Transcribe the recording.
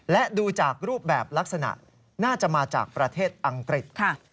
และดูจากรูปแบบลักษณะน่าจะมาจากประเทศอังกฤษ